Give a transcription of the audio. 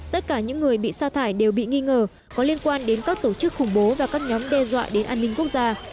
tất cả những người bị xa thải đều bị nghi ngờ có liên quan đến các tổ chức khủng bố và các nhóm đe dọa đến an ninh quốc gia